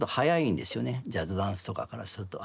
ジャズダンスとかからすると圧倒的に。